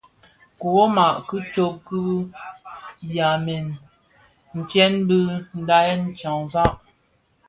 Kiwoma ki tsok bi byamèn tyèn ti dhayen tyanzag.